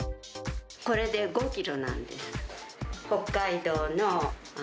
これで５キロなんです。